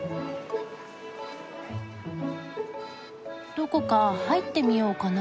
どこか入ってみようかな。